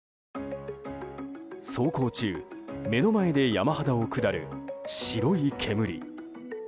走行中、目の前で山肌を下る白い煙。